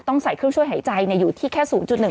ใส่เครื่องช่วยหายใจอยู่ที่แค่๐๑